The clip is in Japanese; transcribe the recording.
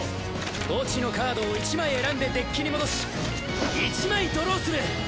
墓地のカードを１枚選んでデッキに戻し１枚ドローする！